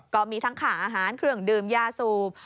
ก็มีทั้งขาอาหารเครื่องดื่มยาสูบ